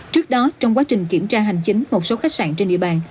trước đó trong quá trình kiểm tra hành chính một số khách sạn trên địa bàn